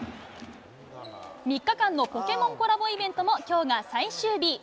３日間のポケモンコラボイベントもきょうが最終日。